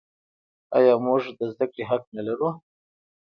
آیا موږ د زده کړې حق نلرو؟